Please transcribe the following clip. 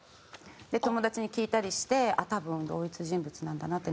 で友達に聞いたりして多分同一人物なんだなって。